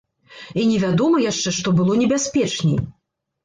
І невядома яшчэ, што было небяспечней.